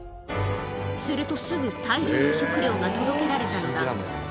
するとすぐ大量の食料が届けられたのだ。